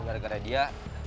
gak peduli sama lu